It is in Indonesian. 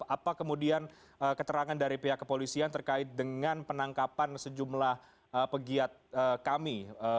apa kemudian keterangan dari pihak kepolisian terkait dengan penangkapan sejumlah pegiat kami